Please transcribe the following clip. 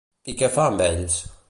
I què fa amb ells?